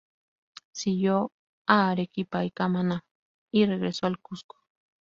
Siguió a Arequipa y Camaná y regresó al Cuzco.